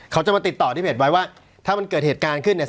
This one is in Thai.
เขาจะมาติดต่อที่เพจไว้ว่าถ้ามันเกิดเหตุการณ์ขึ้นเนี่ย